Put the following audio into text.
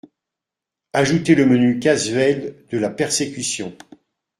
Ajoutez le menu casuel de la persécution.